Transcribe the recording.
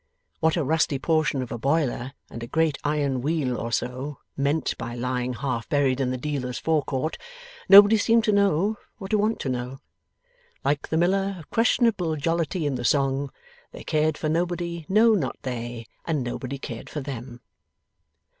What a rusty portion of a boiler and a great iron wheel or so meant by lying half buried in the dealer's fore court, nobody seemed to know or to want to know. Like the Miller of questionable jollity in the song, They cared for Nobody, no not they, and Nobody cared for them.